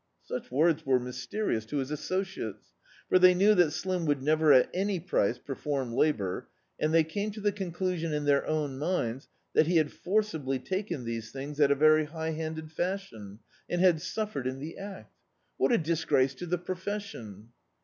Such words were mysteri ' ous to his associates, for they knew that Slim would never at any price perform labofft^ and they came to the conclusion in their own mmds that he had forcibly taken these things in a very hi^ handed fashion, and had suffered in the act What a dis grace to the profcssicm!